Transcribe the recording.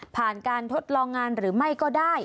ผ่านการทดลองงานหรือไม่ก็ได้